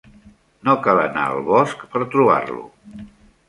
No cal anar al bosc per trobar-lo.